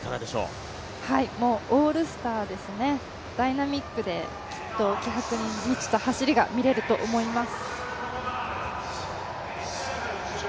オールスターですね、ダイナミックできっと気迫に満ちた走りが見れると思います。